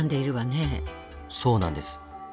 そうなんです。